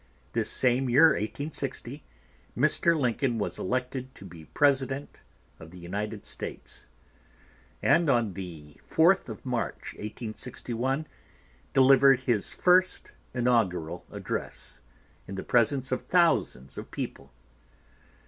This same year, 1860, Mr. Lincoln was elected to be President of the United States, and on the 4th of March, 1861, delivered his First Inaugural Address in the presence of thousands of people.